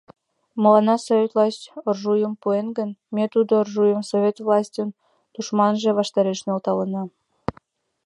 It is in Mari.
Мыланна Совет власть оружийым пуэн гын, ме тудо оружийым Совет властьын тушманже ваштареш нӧлталына.